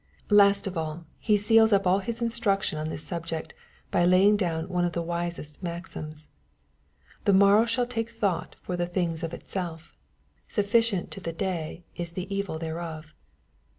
Last of all, He seals up all His instruction on thig subject, by laying down one of the wisest maxims, " The morrow shall take thought for the things of itself. MATTH&W, CHAP. YII. 61 Sufficient to the day is the evil thereof."